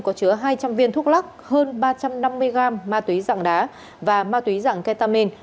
có chứa hai trăm linh viên thuốc lắc hơn ba trăm năm mươi gram ma túy dạng đá và ma túy dạng ketamin